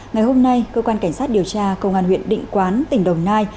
ngày hôm nay cơ quan cảnh sát điều tra công an huyện định quán tỉnh đồng nai